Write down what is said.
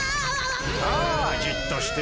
さあじっとして。